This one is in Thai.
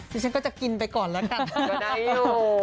ดิฉันก็จะกินไปก่อนแล้วกัน